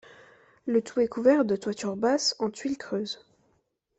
Le tout est couvert de toitures basses en tuiles creuses.